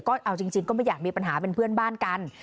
ก็เอาจริงก็ไม่อยากมีปัญหาเป็นเพื่อนบ้านกัน